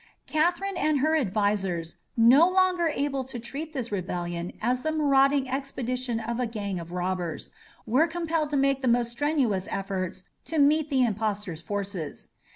Catherine and her advisers, no longer able to treat this rebellion as the marauding expedition of a gang of robbers, were compelled to make the most strenuous efforts to meet the impostor's forces.